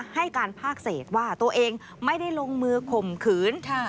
ให้การภาคเศษว่าตัวเองไม่ได้ลงมือข่มขืน